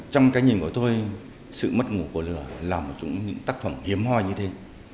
trong cái nhìn của tôi sự mất ngủ của lửa là một trong những tác phẩm hiếm hoi như thế